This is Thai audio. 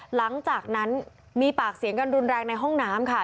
หลังจากนั้นมีปากเสียงกันรุนแรงในห้องน้ำค่ะ